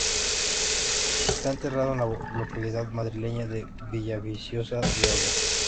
Está enterrado en la localidad madrileña de Villaviciosa de Odón.